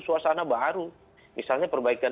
suasana baru misalnya perbaikan